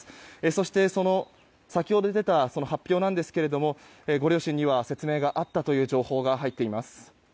そして、先ほど出た発表なんですけどもご両親には説明があったという情報が入っています。